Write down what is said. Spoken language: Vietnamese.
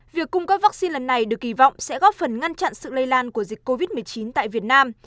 việc cung cấp vaccine lần này được kỳ vọng sẽ góp phần ngăn chặn sự lây lan của dịch covid một mươi chín tại việt nam